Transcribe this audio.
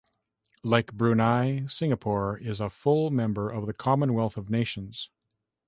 Like Brunei, Singapore is a full member of the Commonwealth of Nations.